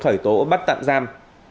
khởi tố bắt tặng giam